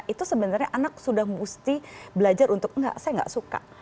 itu sebenarnya anak sudah mesti belajar untuk enggak saya nggak suka